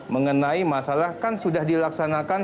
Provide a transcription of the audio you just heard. mengenai masalah kan sudah dilaksanakan